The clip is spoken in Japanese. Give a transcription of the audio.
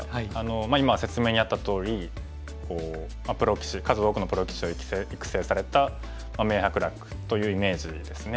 今説明にあったとおり数多くのプロ棋士を育成された名伯楽というイメージですね。